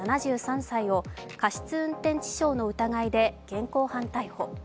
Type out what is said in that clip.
７３歳を過失運転致傷の疑いで現行犯逮捕。